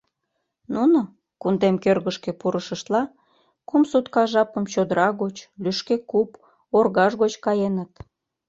Нуно кундем кӧргышкӧ пурышыштла кум сутка жапым чодыра гоч, лӱшке куп, оргаж гоч каеныт.